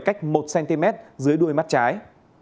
cách một cm dưới đuôi mắt trái